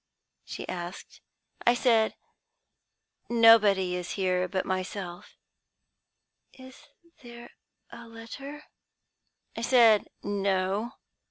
she asked. "I said, 'Nobody is here but myself.' "'Is there a letter?' "I said 'No.'